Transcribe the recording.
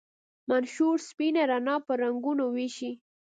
منشور سپینه رڼا په رنګونو ویشي.